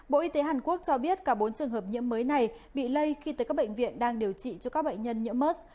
bộ y tế hàn quốc cho biết cả bốn trường hợp nhiễm mới này bị lây khi tới các bệnh viện đang điều trị cho các bệnh nhân nhiễm mỡ